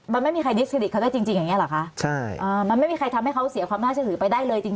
มันไม่มีใครดิสเครดิตเขาได้จริงอย่างนี้หรือคะมันไม่มีใครทำให้เขาเสียความน่าจะถือไปได้เลยจริง